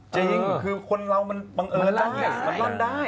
จริงคือคนเรามันบังเอิญลั่นมันลั่นได้